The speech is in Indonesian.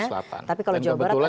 sulawesi sulawesi selatan